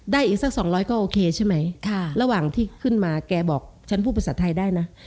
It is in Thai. อีกสักสองร้อยก็โอเคใช่ไหมระหว่างที่ขึ้นมาแกบอกฉันพูดภาษาไทยได้นะ